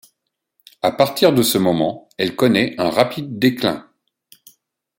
À partir de ce moment, elle connaît un rapide déclin.